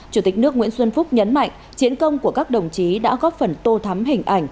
chủ tịch nước nguyễn xuân phúc nhấn mạnh chiến công của các đồng chí đã góp phần tô thắm hình ảnh